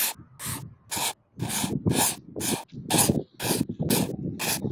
Alimueleza kuwa kuna watu wanamfuatilia na kuwa gari yake ilikuwa ikiisha Mafuta